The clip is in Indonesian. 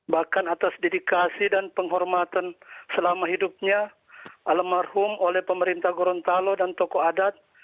bahkan atas dedikasi dan penghormatan selama hidupnya almarhum oleh pemerintah gorontalo dan tokoh adat